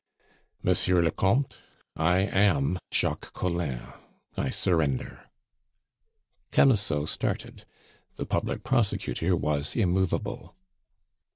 "Monsieur le Comte, I am Jacques Collin. I surrender!" Camusot started; the public prosecutor was immovable.